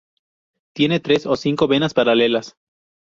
Tienen tres o cinco venas paralelas.